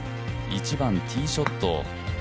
１番ティーショット。